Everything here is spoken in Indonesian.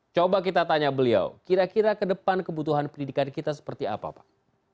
coba kita tanya beliau kira kira ke depan kebutuhan pendidikan kita seperti apa pak